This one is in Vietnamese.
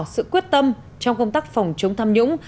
sự quyết tâm trong công tác phòng chống tham nhũng